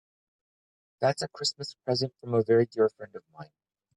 That's a Christmas present from a very dear friend of mine.